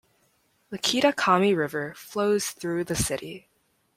The Kitakami River flows through the city.